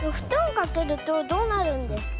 かけるとどうなるんですか？